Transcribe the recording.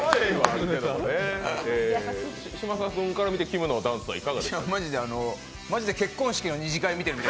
嶋佐君から見て、きむのダンスはいかがでしたか？